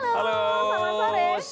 halo selamat sore